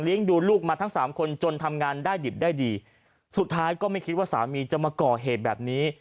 ดูลูกมาทั้งสามคนจนทำงานได้ดิบได้ดีสุดท้ายก็ไม่คิดว่าสามีจะมาก่อเหตุแบบนี้